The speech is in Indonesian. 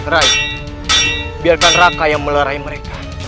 rai biarkan raka yang melerai mereka